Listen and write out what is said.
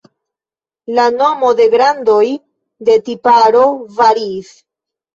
La nomo de grandoj de tiparo variis.